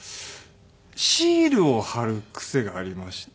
シールを貼る癖がありまして。